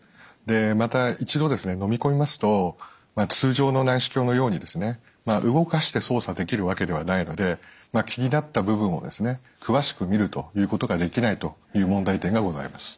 また一度飲み込みますと通常の内視鏡のように動かして操作できるわけではないので気になった部分を詳しく見るということができないという問題点がございます。